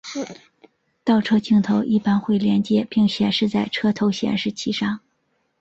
倒车镜头一般会连结并显示在车头显示器上。